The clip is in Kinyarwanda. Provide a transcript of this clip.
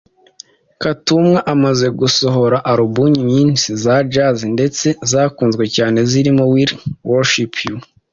Katumwa amaze gusohora album nyinshi za jazz ndetse zakunzwe cyane zirimo Will Worship You